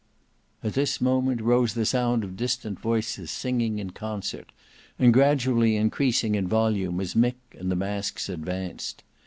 At this moment rose the sound of distant voices singing in concert, and gradually increasing in volume as Mick and the masks advanced.